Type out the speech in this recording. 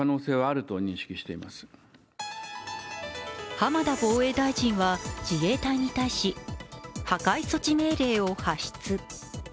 浜田防衛大臣は自衛隊に対し、破壊措置命令を発出。